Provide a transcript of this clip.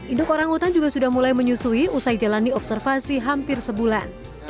induk orang utan juga sudah mulai menyusui usai jalani observasi hampir sebulan